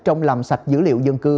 trong làm sạch dữ liệu dân cư